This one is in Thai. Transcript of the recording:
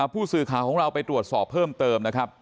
ผู้สื่อข่าวของเราไปตรวจสอบเพิ่มเติมนะครับ